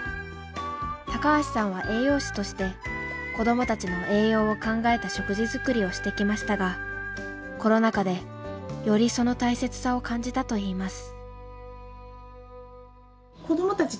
高橋さんは栄養士として子どもたちの栄養を考えた食事作りをしてきましたがコロナ禍でよりその大切さを感じたと言います。